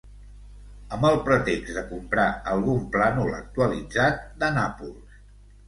Amb el pretext de comprar algun plànol actualitzat de Nàpols.